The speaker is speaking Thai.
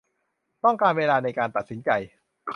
ต้องการเวลาในการตัดสินใจ